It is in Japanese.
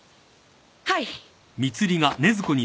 はい！